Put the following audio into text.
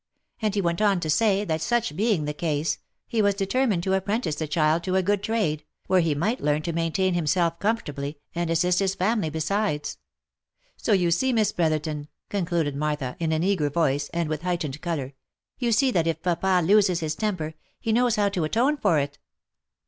And he went on to say that such being the case, he was determined to apprentice the child to a good trade, where he might learn to maintain himself comfortably, and assist his family be sides. So you see, Miss Brotherton," concluded Martha, in an eager voice, and with heightened colour, " you see that if papa loses his temper, he knows how to atone for it."